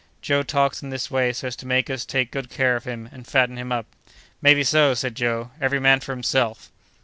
"Joe talks in this way so as to make us take good care of him, and fatten him up." "Maybe so!" said Joe. "Every man for himself."